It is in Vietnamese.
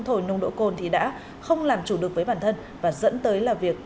thổi nồng độ cồn thì đã không làm chủ được với bản thân và dẫn tới là việc